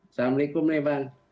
assalamualaikum nih bang